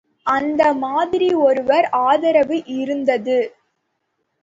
அந்த மாதிரி ஒருவர் ஆதரவு இருந்தது.